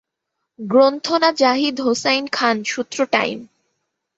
গ্রন্থনা জাহিদ হোসাইন খান সূত্র টাইম